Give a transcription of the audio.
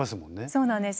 そうなんです。